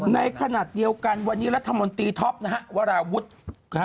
ในขณะเดียวกันวันนี้รัฐมนตรีท็อปนะฮะวราวุฒินะฮะ